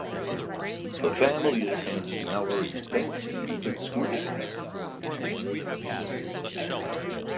The family attends Mallory's fencing meet at school.